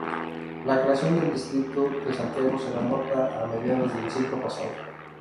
La creación del Distrito de Santiago, se remonta a mediados del siglo pasado.